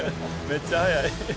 めっちゃ早い。